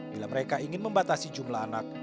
bila mereka ingin membatasi jumlah anak